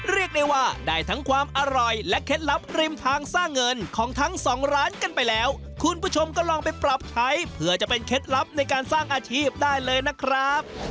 เรียกได้ว่าได้ทั้งความอร่อยและเคล็ดลับริมทางสร้างเงินของทั้งสองร้านกันไปแล้วคุณผู้ชมก็ลองไปปรับใช้เพื่อจะเป็นเคล็ดลับในการสร้างอาชีพได้เลยนะครับ